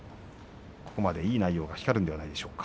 ここまでいい内容が光るんではないでしょうか。